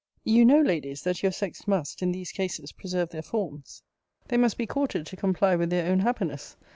You know, Ladies, that your sex must, in these cases, preserve their forms. They must be courted to comply with their own happiness.